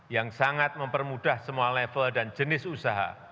yang sangat mempermudah semua level dan jenis usaha